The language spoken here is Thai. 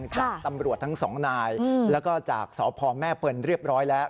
จากตำรวจทั้งสองนายแล้วก็จากสพแม่เปิลเรียบร้อยแล้ว